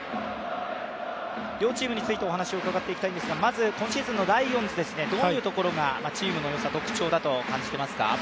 両チームについてお話をうかがっていきたいんですが、今シーズンのライオンズですね、どういうところがチームのよさ特徴だと感じていますか？